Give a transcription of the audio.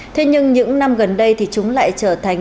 thế nhưng những năm gần đây thì chúng lại trở thành